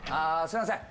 すいません。